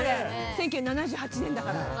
１９７８年だから。